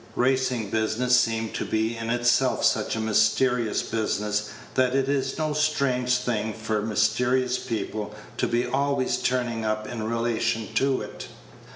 Racing business seems to be in itself such a mysterious business that it is no strange thing for mysterious people to be always turning up in relation to it.